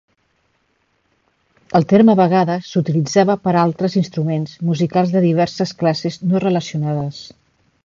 El terme a vegades s'utilitzava per a altres instruments musicals de diverses classes no relacionades.